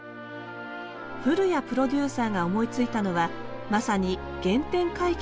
古屋プロデューサーが思いついたのはまさに原点回帰といえるもの。